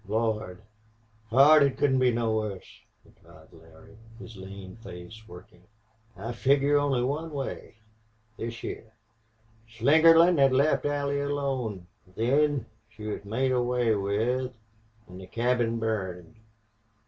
"Lord, pard, it couldn't be no wuss," replied Larry, his lean face working. "I figger only one way. This heah. Slingerland had left Allie alone... Then she was made away with an' the cabin burned."